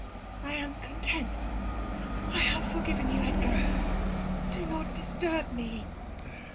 I am content — I have forgiven you, Edgar ! Do not disturb me."